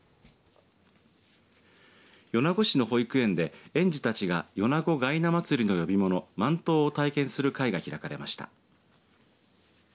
米子市の保育園で園児たちが米子がいな祭の呼び物万灯を体験する会が開かれました。